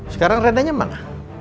sekarang renanya mana